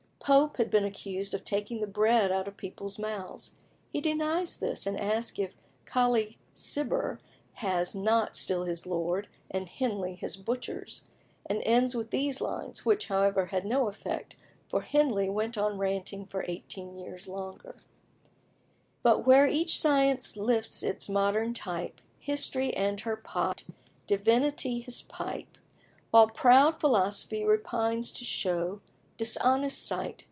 Pope had been accused of taking the bread out of people's mouths. He denies this, and asks if "Colley (Cibber) has not still his lord, and Henley his butchers;" and ends with these lines, which, however, had no effect, for Henley went on ranting for eighteen years longer "But where each science lifts its modern type, History her pot, Divinity his pipe; While proud Philosophy repines to show, Dishonest sight!